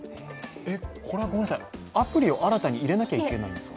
アプリを新たに入れなきゃいけないんですか？